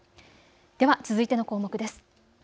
では続いての項目です。